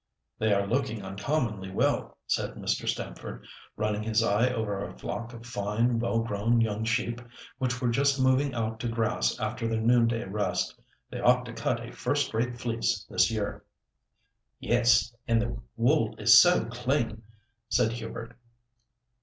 "They are looking uncommonly well," said Mr. Stamford, running his eye over a flock of fine, well grown young sheep, which were just moving out to grass after their noonday rest. "They ought to cut a first rate fleece this year." "Yes; and the wool is so clean," said Hubert.